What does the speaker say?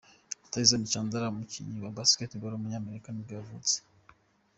Tyson Chandler, umukinnyi wa basketball w’umunyamerika nibwo yavutse.